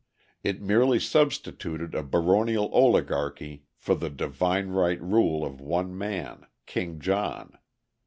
It merely substituted a baronial oligarchy for the divine right rule of one man, King John.